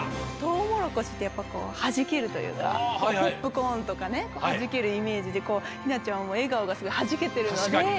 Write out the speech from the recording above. トウモロコシってやっぱこうはじけるというかポップコーンとかねはじけるイメージでこうひなちゃんもえがおがすごいはじけてるので。